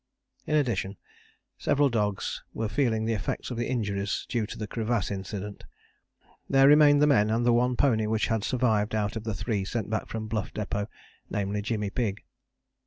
" In addition, several dogs were feeling the effects of injuries due to the crevasse incident. There remained the men and the one pony which had survived out of the three sent back from Bluff Depôt, namely Jimmy Pigg.